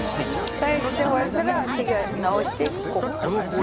左右して終わったら手を直してここ。